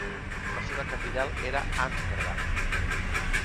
La seva capital era Amsterdam.